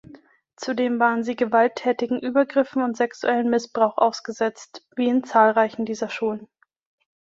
Zudem waren sie gewalttätigen Übergriffen und sexuellem Missbrauch ausgesetzt, wie in zahlreichen dieser Schulen.